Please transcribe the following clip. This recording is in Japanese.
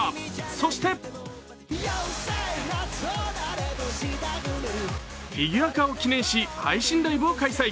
そしてフィギュア化を記念し配信ライブを開催。